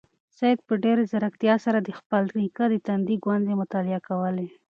سعید په ډېرې ځیرکتیا سره د خپل نیکه د تندي ګونځې مطالعه کولې.